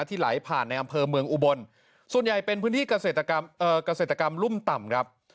ไหลผ่านในอำเภอเมืองอุบลส่วนใหญ่เป็นพื้นที่เกษตรกรรมรุ่มต่ำครับ